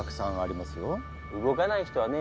動かない人はね